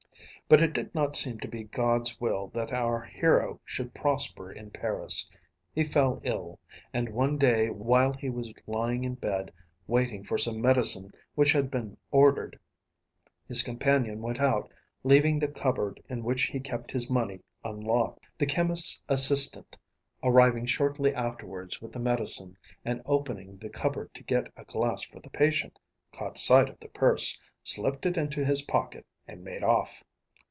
But it did not seem to be God's will that our hero should prosper in Paris; he fell ill, and one day while he was lying in bed waiting for some medicine which had been ordered, his companion went out, leaving the cupboard in which he kept his money unlocked. The chemist's assistant, arriving shortly afterwards with the medicine and opening the cupboard to get a glass for the patient, caught sight of the purse, slipped it into his pocket, and made off.